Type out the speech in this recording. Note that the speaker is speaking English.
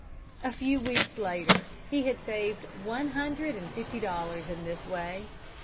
A few weeks later he had saved one hundred and fifty dollars in this way.